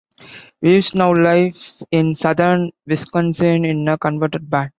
Weis now lives in southern Wisconsin in a converted barn.